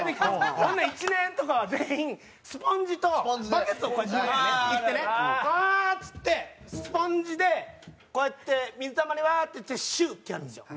ほんなら１年とかは全員スポンジとバケツを自分らで行ってねワーッつってスポンジでこうやって水たまりワーッてやってシュッてやるんですよ。